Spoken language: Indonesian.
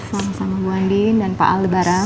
selama sama mbak andien dan pak al lebaram